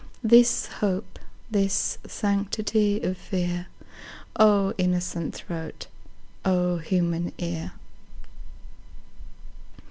This hope, this sanctity of fear?O innocent throat! O human ear!